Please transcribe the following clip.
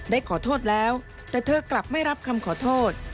ได้ขอโทษแล้วแต่เธอกลับไม่รับคำขอโทษ